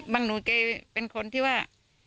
บังหนุ่ยเป็นคนที่ว่า